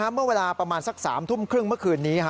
เมื่อเวลาประมาณสัก๓ทุ่มครึ่งเมื่อคืนนี้